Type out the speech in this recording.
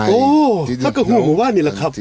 โอ้ถ้าเกิดห่วงมาว่านี่แหละครับ